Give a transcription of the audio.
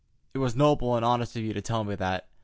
It was noble and honest of you to tell me that.